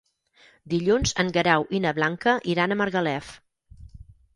Dilluns en Guerau i na Blanca iran a Margalef.